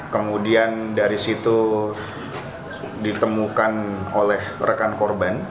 kemudian dari situ ditemukan oleh rekan korban